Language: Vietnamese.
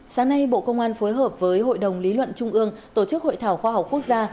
sáng nay bộ công an phối hợp với hội đồng lý luận trung ương tổ chức hội thảo khoa học quốc gia